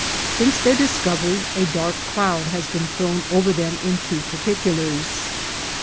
Since their discovery, a dark cloud has been thrown over them in two particulars.